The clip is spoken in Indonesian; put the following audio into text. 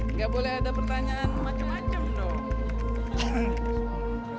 nggak boleh ada pertanyaan macam macam dong